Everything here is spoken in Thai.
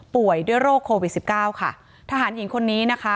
ป่วยด้วยโรคโควิดสิบเก้าค่ะทหารหญิงคนนี้นะคะ